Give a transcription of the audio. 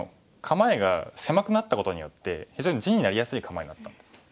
構えが狭くなったことによって非常に地になりやすい構えになったんです。